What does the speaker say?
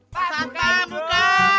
pak pak buka